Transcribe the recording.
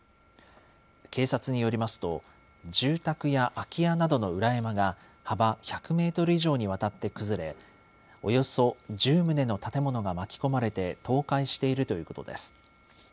警察によりますと、住宅や空き家などの裏山が幅１００メートル以上にわたって崩れ、およそ１０棟の建物が巻き込まれて倒壊しているということです。